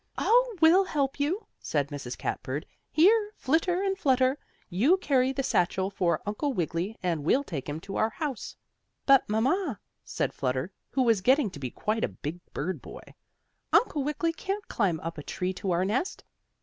"Oh, we'll help you," said Mrs. Cat Bird. "Here, Flitter and Flutter, you carry the satchel for Uncle Wiggily, and we'll take him to our house." "But, mamma," said Flutter, who was getting to be quite a big bird boy, "Uncle Wiggily can't climb up a tree to our nest."